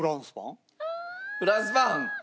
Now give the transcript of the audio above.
フランスパン？